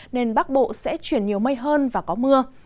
nên bắc bộ sẽ chuyển nhiều mây hơn và có mưa